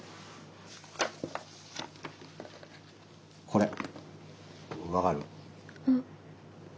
これ分かる？